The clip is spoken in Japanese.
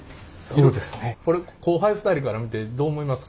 これ後輩２人から見てどう思いますか？